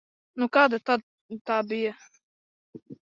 Nu, kāda tad tā bija?